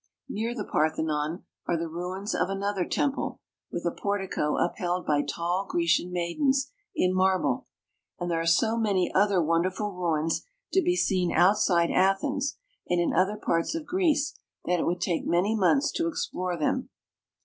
Near the Parthenon are the ruins of another temple, with a portico upheld by tall Grecian maidens in marble ; and there are so many 386 GREECE. other wonderful ruins to be seen outside Athens, and in other parts of Greece, that it would take many months to explore them.